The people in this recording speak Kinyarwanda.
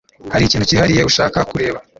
Hari ikintu cyihariye ushaka kureba